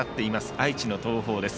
愛知の東邦です。